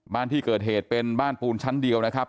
บ้านที่เกิดเหตุเป็นบ้านปูนชั้นเดียวนะครับ